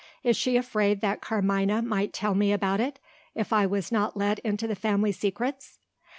"Is she afraid that Carmina might tell me about it, if I was not let into the family secrets?"